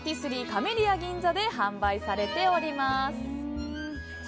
カメリア銀座で販売されております。